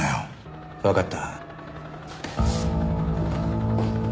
わかった。